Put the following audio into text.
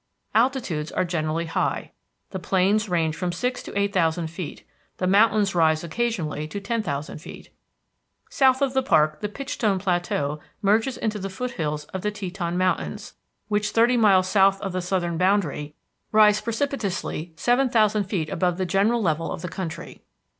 Altitudes are generally high. The plains range from six to eight thousand feet; the mountains rise occasionally to ten thousand feet. South of the park the Pitchstone Plateau merges into the foothills of the Teton Mountains, which, thirty miles south of the southern boundary, rise precipitously seven thousand feet above the general level of the country.